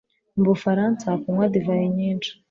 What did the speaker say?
Mu Bufaransa, kunywa divayi nyinshi.